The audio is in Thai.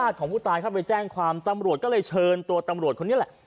ดูไปแจ้งความตำรวจก็เลยเชิงตัวตำรวจคนนี้แหละ